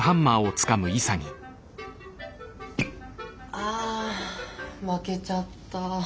あ負けちゃった。